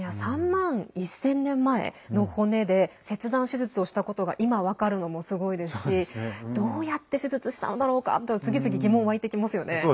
３万１０００年前の骨で切断手術をしたことが今、分かるのもすごいですしどうやって手術したんだろうかと次々疑問わいてきますよね。